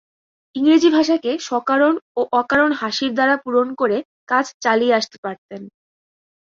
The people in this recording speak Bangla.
ইংরেজি ভাষাকে সকারণ ও অকারণ হাসির দ্বারা পূরণ করে কাজ চালিয়ে আসতে পারতেন।